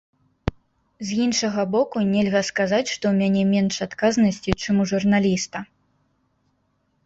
З іншага боку, нельга сказаць, што ў мяне менш адказнасці, чым у журналіста.